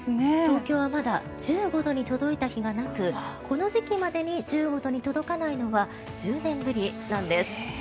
東京はまだ１５度に届いた日がなくこの時期までに１５度に届かないのは１０年ぶりなんです。